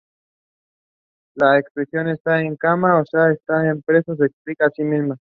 La expresión "estar en cana", o sea, estar preso, se explica a sí misma.